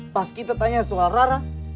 pas kita tanya soal rara